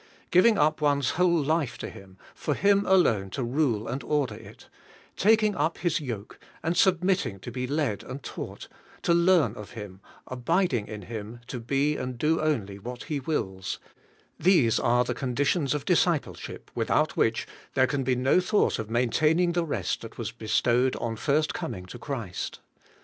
Giving up one's whole life to Him, for Him alone to rule and order it; taking up His yoke, and submitting to be led and taught, to learn of Him ; abiding in Him, to be and do only what He wills; — these are the conditions of discipleship without which there can be no thought of maintaining the rest that was bestowed on first coming to Christ.